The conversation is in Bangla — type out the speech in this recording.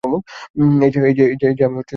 এই যে আমি, লিন্ডসে।